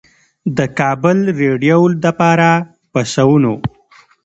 د کابل رېډيؤ دپاره پۀ سوونو